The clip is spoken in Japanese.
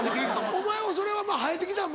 お前はそれはもう生えてきたん？